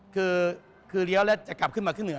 คือเลี้ยวแล้วจะกลับขึ้นมาขึ้นเหนือ